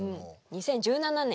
２０１７年。